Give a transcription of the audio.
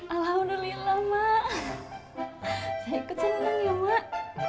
alhamdulillah mak saya ikut senang ya mak